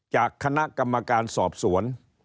จากคณะกรรมการสอบสวน